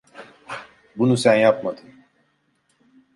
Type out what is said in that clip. Bunu sen yapmadın.